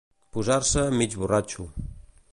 Posar-se mig borratxo.